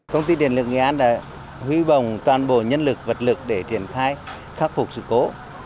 công ty điện lực nghệ an đã huy bồng toàn bộ nhân lực vật lực để triển khai khắc phục sự cố